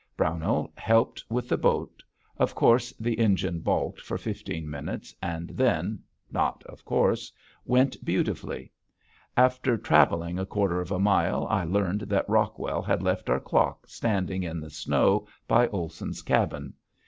Brownell helped with the boat. Of course the engine balked for fifteen minutes and then (not "of course") went beautifully. After traveling a quarter of a mile I learned that Rockwell had left our clock standing in the snow by Olson's cabin.